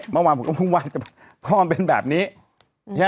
เมื่อวานก็เป็นแบบนี้